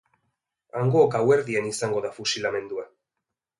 Hango gauerdian izango da fusilamendua.